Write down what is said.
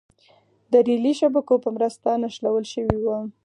د رېلي شبکو په مرسته نښلول شوې وه.